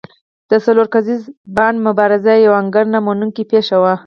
د څلور کسیز بانډ مبارزه یوه انکار نه منونکې پېښه وه.